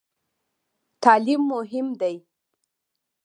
تعلیم مهم دی؟